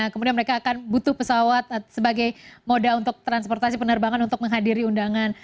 kemudian mereka akan butuh pesawat sebagai moda untuk transportasi penerbangan untuk menghadiri undangan